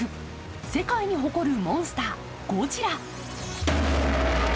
世界に誇るモンスター、「ゴジラ」。